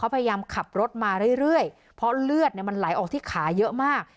เขาพยามขับรถมาเรื่อยเรื่อยเพราะเลือดเนี้ยมันไหลออกที่ขาเยอะมาก